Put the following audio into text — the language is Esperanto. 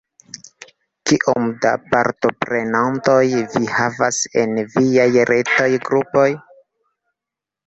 Kiom da partoprenantoj vi havas en viaj retaj grupoj?